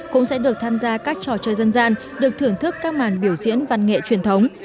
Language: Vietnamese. cũng sẽ được tham gia các trò chơi dân gian được thưởng thức các màn biểu diễn văn nghệ truyền thống